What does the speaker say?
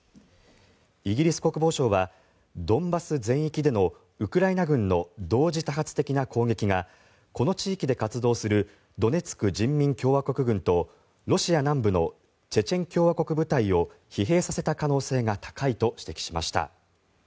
イギリス国防省はドンバス全域でのウクライナ軍の同時多発的な攻撃がこの地域で活動するドネツク人民共和国軍とロシア南部のチェチェン共和国部隊を疲弊させた可能性が高いと指摘しました。